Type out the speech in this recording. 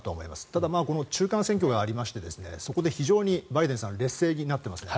ただ、中間選挙がありましてそこで非常にバイデンさん劣勢になっています。